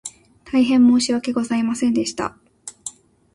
大変申し訳ございませんでした